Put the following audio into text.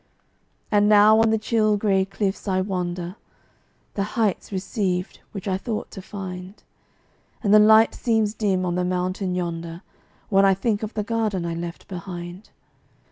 And now on the chill giay cliffs I wander, The heights recede which I thought to find, And the light seems dim on the mountain yonder, When I think of the garden I left behind.